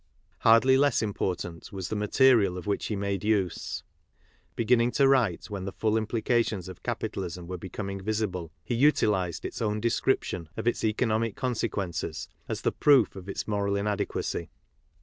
Hardly less important was the material of which he made use. Be ginning to write when the full implications of capitalism were becoming visible, he utilized its own description of its economic consequences as the proof of its moral inadequacy.